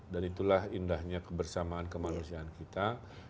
dan itulah indahnya kebersamaan kemanusiaan kita